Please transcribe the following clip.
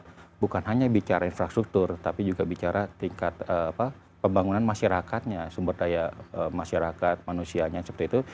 karena pemerintah pusat bukan hanya bicara infrastruktur tapi juga bicara tingkat pembangunan masyarakatnya sumber daya masyarakat manusianya seperti itu